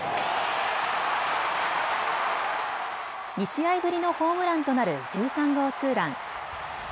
２試合ぶりのホームランとなる１３号ツーラン。